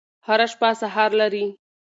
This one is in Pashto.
هره شپه سهار لري.